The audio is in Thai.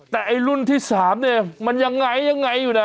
แต่ไอ้รุ่นที่๓เนี่ยมันยังไงยังไงอยู่นะ